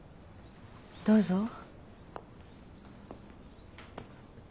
どうぞ。